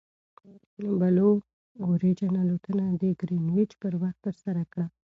بلو اوریجن الوتنه د ګرینویچ پر وخت ترسره کړه.